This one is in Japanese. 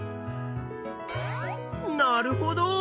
なるほど！